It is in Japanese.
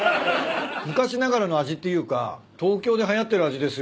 昔ながらの味っていうか東京ではやってる味ですよ。